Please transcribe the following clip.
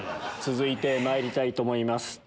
続いてまいりたいと思います